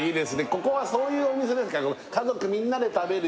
ここはそういうお店ですか？